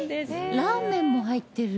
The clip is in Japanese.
ラーメンも入ってる。